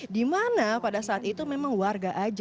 dimana pada saat itu memang warga aja